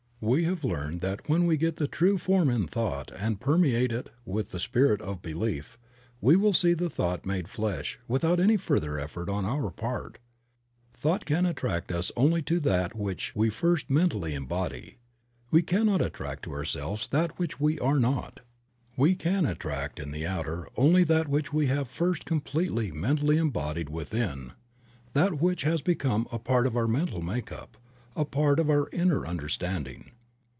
We have learned that when we get the true form in thought and permeate it with the spirit of belief we will see the thought made flesh without any further effort on our part. Thought can attract to us only that which we first Creative Mind. 59 mentally embody. We cannot attract to ourselves that which we are not. We can attract in the outer only that which we have first completely mentally embodied within, that which has become a part of our mental make up, a part of our inner understanding.